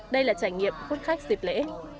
đây là trải nghiệm khuất khách dịp lễ